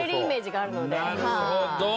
なるほど！